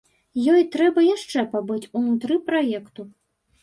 Ёй трэба яшчэ пабыць унутры праекту.